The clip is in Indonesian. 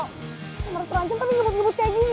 nggak merasa terancam tapi ngebut ngebut kayak gini